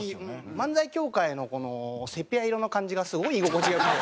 漫才協会のセピア色の感じがすごい居心地が良くて。